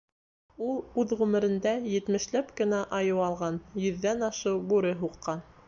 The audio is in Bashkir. Ул үҙ ғүмерендә етмешләп кенә айыу алған, йөҙҙән ашыу бүре һуҡҡан.